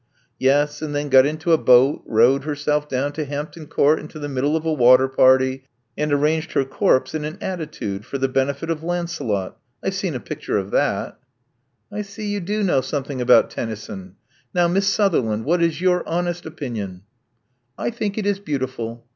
"Yes, and then got into a boat; rowed herself down to Hampton Court into the middle of a water party; and arranged her corpse in an attitude for the benefit of Lancelot. I've seen a picture of that. Love Among the Artists 19 I see you do know something about Tenny son. Now, Miss Sutherland, what is your honest opinion? '*I think it is beautiful.